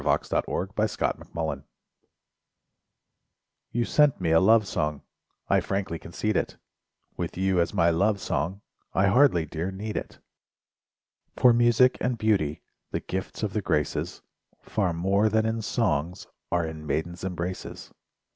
SONGS AND DREAMS A Love Song You sent me a love song— I frankly concede it, With you as my love song I hardly, dear, need it; For music and beauty— The gifts of the graces— Far more than in songs are In maiden's embraces.